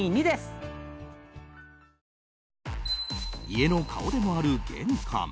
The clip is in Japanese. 家の顔でもある玄関。